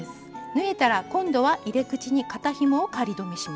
縫えたら今度は入れ口に肩ひもを仮留めします。